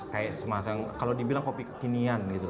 kalau dibilang kopi kekinian gitu